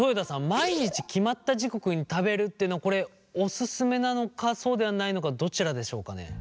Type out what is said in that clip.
毎日決まった時刻に食べるっていうのこれオススメなのかそうではないのかどちらでしょうかね。